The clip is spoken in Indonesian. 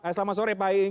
eh selamat sore pak iing